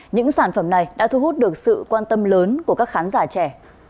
những sản phẩm này đã thu hút được sự quan tâm lớn của các khán giả trẻ